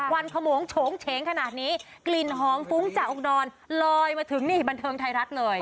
วันขโมงโฉงเฉงขนาดนี้กลิ่นหอมฟุ้งจากอุดรลอยมาถึงนี่บันเทิงไทยรัฐเลย